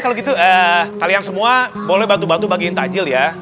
kalau gitu kalian semua boleh bantu bantu bagiin takjil ya